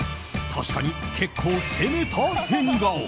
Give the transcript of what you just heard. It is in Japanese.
確かに、結構攻めた変顔。